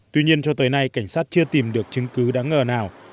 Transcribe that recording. tuy nhiên cho tới nay cảnh sát chưa tìm được chứng cứ đáng ngờ nào